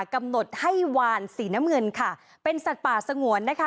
กำหนดให้วานสีน้ำเงินค่ะเป็นสัตว์ป่าสงวนนะคะ